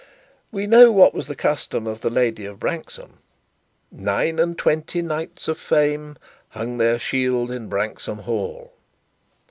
We know what was the custom of the lady of Branksome "Nine and twenty knights of fame Hung their shields in Branksome Hall."